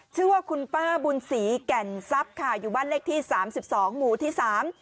ชื่อว่าคุณป้าบุญศรีแก่นทรัพย์ค่ะอยู่บ้านเลขที่สามสิบสองหมู่ที่สาม